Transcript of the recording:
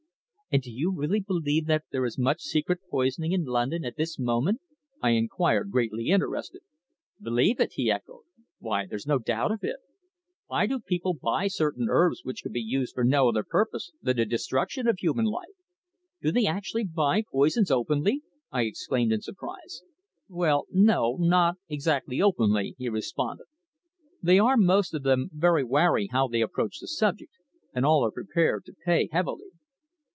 "And do you really believe that there is much secret poisoning in London at this moment?" I inquired, greatly interested. "Believe it?" he echoed. "Why, there's no doubt of it. Why do people buy certain herbs which can be used for no other purpose than the destruction of human life?" "Do they actually buy poisons openly?" I exclaimed in surprise. "Well, no, not exactly openly," he responded. "They are most of them very wary how they approach the subject, and all are prepared to pay heavily."